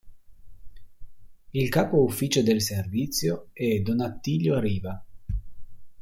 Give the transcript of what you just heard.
Il capo ufficio del servizio è don Attilio Riva.